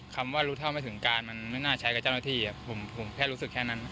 คำว่ารู้เท่าไม่ถึงการมันไม่น่าใช้กับเจ้าหน้าที่ผมแค่รู้สึกแค่นั้น